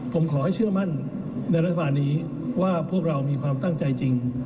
ผมขอให้เชื่อมั่นในรัฐบาลนี้ว่าพวกเรามีความตั้งใจจริง